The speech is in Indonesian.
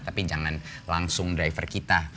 tapi jangan langsung driver kita